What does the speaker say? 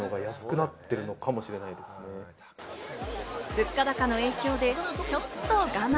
物価高の影響でちょっと我慢。